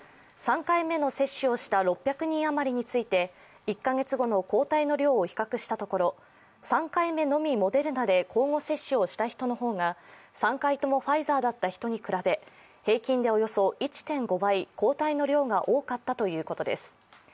３回目の接種をした６００人余りについて１カ月後の抗体の量を比較したところ、３回目のみモデルナで交互接種をした人の方が３回ともファイザーだった人に比べ平均でおよそ１．５倍、抗体の量が多かったということです。